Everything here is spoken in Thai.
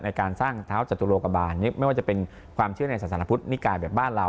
ในการสร้างเท้าจตุโลกบาลไม่ว่าจะเป็นความเชื่อในสถานพุทธนิกายแบบบ้านเรา